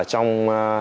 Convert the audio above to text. và ở trong